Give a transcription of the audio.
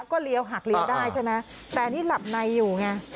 ก็เลี้ยวหักได้ใช่ไหมแต่นี่หลับในอยู่ไง